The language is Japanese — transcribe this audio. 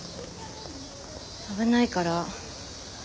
危ないから。